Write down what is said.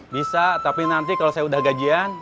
bisa tapi nanti kalau saya udah gajian